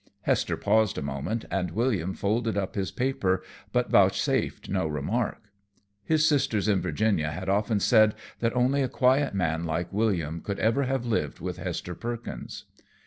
Hester paused a moment, and William folded up his paper, but vouchsafed no remark. His sisters in Virginia had often said that only a quiet man like William could ever have lived with Hester Perkins.